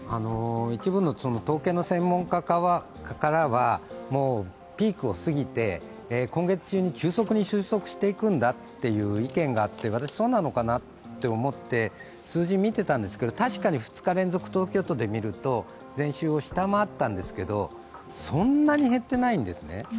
一部の統計の専門家からは、もうピークを過ぎて今月中に急速に収束していくんだという意見があって私、そうなのかなと思って、数字、見てたんですけど確かに２日連続、東京都で見ると前週を下回ったんですけど、そんなに減っていないんですね。